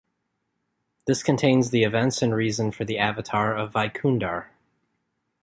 This contains the events and reason for the Avatar of Vaikundar.